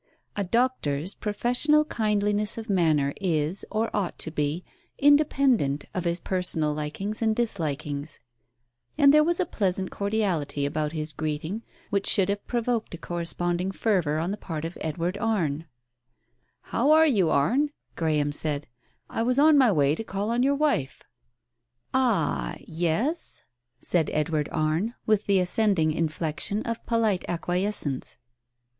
A doctor's professional kindliness of manner is, or ought to be, independent of his personal likings and dislikings, and there was a pleasant cordiality about his greeting which should have provoked a corresponding fervour on the part of Edward Arne. " How are you, Arne ?" Graham said. " I was on my way to call on your wife." "Ah— yes!" said Edward Arne, with the ascending inflection of polite acquiescence.